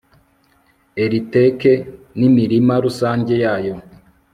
eliteke n'imirima rusange yayo